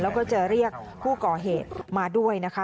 แล้วก็จะเรียกผู้ก่อเหตุมาด้วยนะคะ